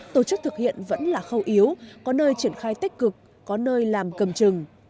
tổ chức thực hiện vẫn là khâu yếu có nơi triển khai tích cực có nơi làm cầm trừng